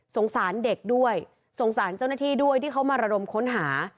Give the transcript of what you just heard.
สารเด็กด้วยสงสารเจ้าหน้าที่ด้วยที่เขามาระดมค้นหา